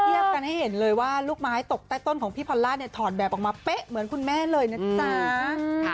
กันให้เห็นเลยว่าลูกไม้ตกใต้ต้นของพี่พอลล่าเนี่ยถอดแบบออกมาเป๊ะเหมือนคุณแม่เลยนะจ๊ะ